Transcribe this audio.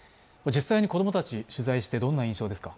実際に子供たち取材してどんな印象ですか？